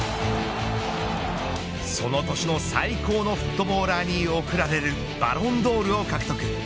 その年の最高のフットボーラーに贈られるバロンドールを獲得。